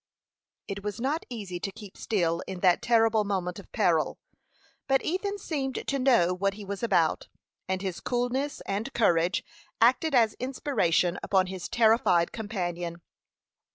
It was not easy to keep still in that terrible moment of peril, but Ethan seemed to know what he was about, and his coolness and courage acted as inspiration upon his terrified companion.